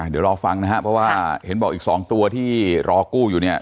เดี๋ยวรอฟังนะครับเพราะว่าเห็นบอกอีก๒ตัวที่รอกู้อยู่เนี่ย